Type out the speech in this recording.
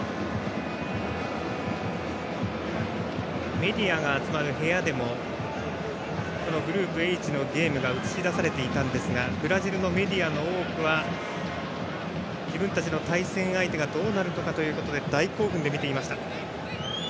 メディアが集まる部屋でもこのグループＨのゲームが映し出されていたんですがブラジルメディアの多くは自分たちの対戦相手がどうなるのかということで大興奮で見ていました。